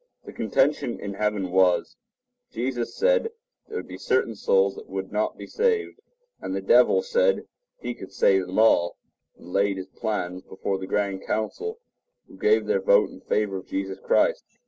The contention in heaven was—Jesus said there would be certain souls that would not be saved; and the devil said he could save them all, and laid his plans before the grand council, who gave their vote in favor of Jesus Christ.